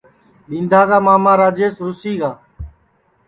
ٻیندھا کا ماما راجیش رُوسی گا ہے